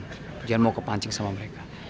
kemudian mau kepancing sama mereka